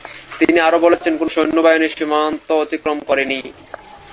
তিনি আরও বলেছেন কোন সৈন্যবাহিনী সীমান্ত অতিক্রম করেনি।